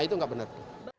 itu nggak benar